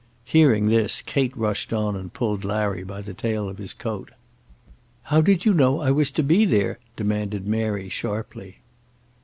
Hearing this, Kate rushed on and pulled Larry by the tail of his coat. "How did you know I was to be there?" demanded Mary sharply.